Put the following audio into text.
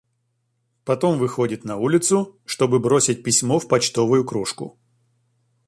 Потом выходит на улицу, чтобы бросить письмо в почтовую кружку.